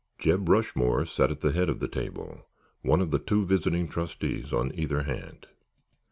Jeb Rushmore sat at the head of the table, one of the two visiting trustees on either hand.